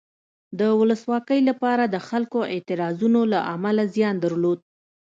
د ولسواکۍ لپاره د خلکو اعتراضونو له امله زیان درلود.